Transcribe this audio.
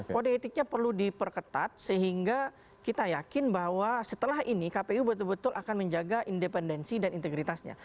kode etiknya perlu diperketat sehingga kita yakin bahwa setelah ini kpu betul betul akan menjaga independensi dan integritasnya